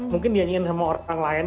mungkin dianyikan sama orang lain